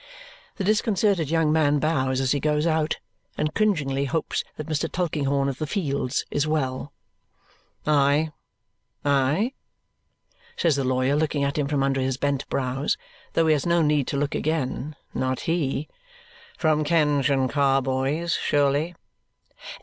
The disconcerted young man bows, as he goes out, and cringingly hopes that Mr. Tulkinghorn of the Fields is well. "Aye, aye?" says the lawyer, looking at him from under his bent brows, though he has no need to look again not he. "From Kenge and Carboy's, surely?"